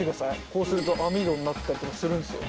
こうすると網戸になったりとかするんすよ